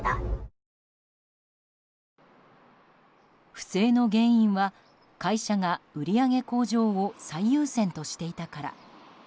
不正の原因は会社が売り上げ向上を最優先としていたから。